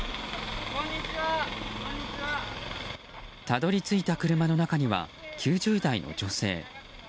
たどり着いた車の中には９０代の女性。